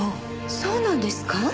そうなんですか？